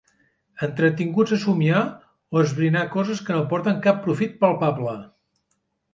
Entretinguts a somniar o esbrinar coses que no porten cap profit palpable.